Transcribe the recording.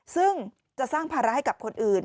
ซึ่งจะสร้างภาระให้กับคนอื่น